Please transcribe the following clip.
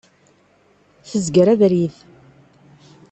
Tezger abrid.